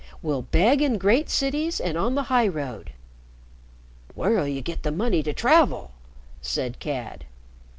We'll beg in great cities and on the highroad." "Where'll you get the money to travel?" said Cad.